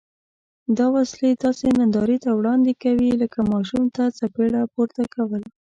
دا وسلې داسې نندارې ته وړاندې کوي لکه ماشوم ته څپېړه پورته کول.